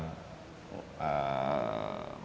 memikirkan tentang kesegaran